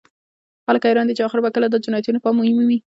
خلک حیران دي چې اخر کله به دا جنایتونه پای مومي